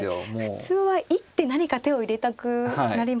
普通は一手何か手を入れたくなりますが。